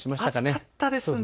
暑かったですね。